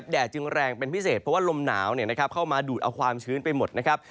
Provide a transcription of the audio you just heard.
แดดจึงแรงเป็นพิเศษเพราะว่าลมหนาวเข้ามาดูดเอาความชื้นไปหมดนะครับ